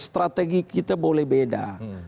strategi kita boleh beda